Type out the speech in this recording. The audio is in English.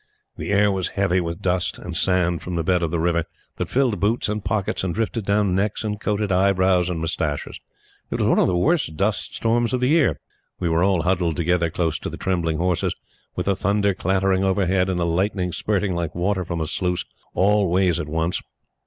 The air was heavy with dust and sand from the bed of the river, that filled boots and pockets and drifted down necks and coated eyebrows and moustaches. It was one of the worst dust storms of the year. We were all huddled together close to the trembling horses, with the thunder clattering overhead, and the lightning spurting like water from a sluice, all ways at once.